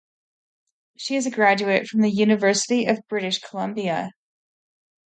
She is a graduate of the University of British Columbia.